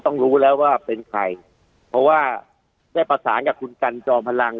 รู้แล้วว่าเป็นใครเพราะว่าได้ประสานกับคุณกันจอมพลัง